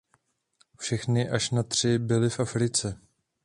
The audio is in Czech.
Všechny až na tři byly v Africe.